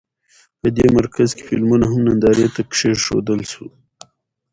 په دې مرکز کې فلمونه هم نندارې ته کېښودل.